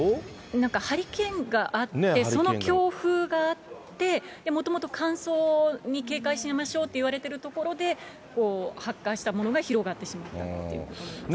何かハリケーンがあって、その強風があって、もともと乾燥に警戒しましょうって言われているところで、発火したものが広がってしまったということなんですね。